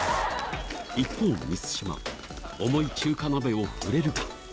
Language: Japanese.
一方満島重い中華鍋を振れるか？